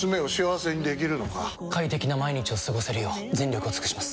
快適な毎日を過ごせるよう全力を尽くします！